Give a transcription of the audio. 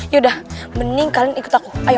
yaudah mending kalian ikut aku ayo